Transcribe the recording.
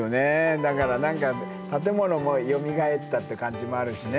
だから何か建物もよみがえったって感じもあるしね。